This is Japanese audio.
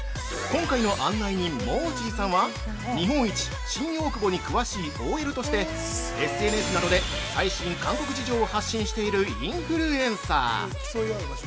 ◆今回の案内人、もーちぃさんは日本一新大久保に詳しいＯＬとしてＳＮＳなどで最新韓国事情を発信しているインフルエンサー。